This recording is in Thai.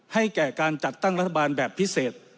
ให้แก่การจัดตั้งรัฐบาลแบบพิเศษ